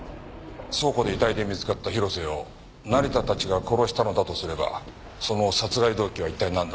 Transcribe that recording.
倉庫で遺体で見つかった広瀬を成田たちが殺したのだとすればその殺害動機は一体なんだ？